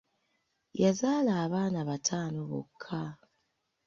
Yazaala abaana bataano bokka.